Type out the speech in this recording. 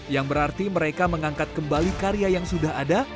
yang berarti mereka mengangkat kembali karya yang sudah ada